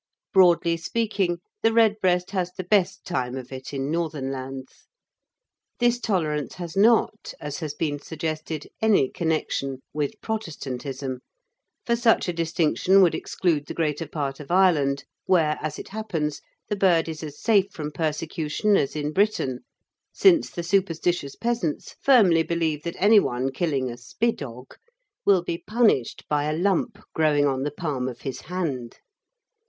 Broadly speaking, the redbreast has the best time of it in northern lands. This tolerance has not, as has been suggested, any connection with Protestantism, for such a distinction would exclude the greater part of Ireland, where, as it happens, the bird is as safe from persecution as in Britain, since the superstitious peasants firmly believe that anyone killing a "spiddog" will be punished by a lump growing on the palm of his hand.